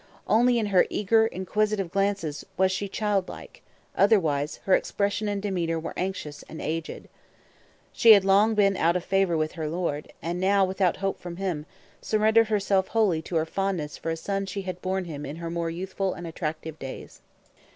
Only in her eager, inquisitive glances was she child like; otherwise, her expression and demeanor were anxious and aged. She had long been out of favor with her "lord"; and now, without hope from him, surrendered herself wholly to her fondness for a son she had borne him in her more youthful and attractive days.